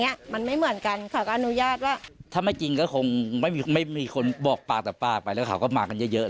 เนี้ยมันไม่เหมือนกันเขาก็อนุญาตว่าถ้าไม่จริงก็คงไม่มีไม่มีคนบอกปากต่อปากไปแล้วเขาก็มากันเยอะเยอะ